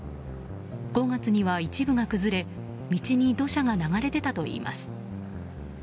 ５月には一部が崩れ道に土砂が流れ出たといいます。